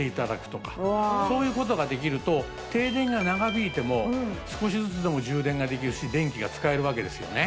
そういう事ができると停電が長引いても少しずつでも充電ができるし電気が使えるわけですよね。